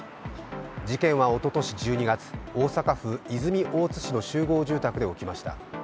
事件はおととし１２月、大阪府泉大津市の集合住宅で起きました。